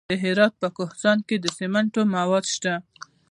د هرات په کهسان کې د سمنټو مواد شته.